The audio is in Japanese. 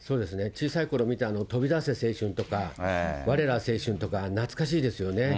小さいころ見た飛び出せ青春とか、われら青春とか、懐かしいですよね。